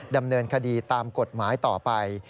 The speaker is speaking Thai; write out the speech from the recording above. ดำเนินคดีตามกฎหมายต่อไป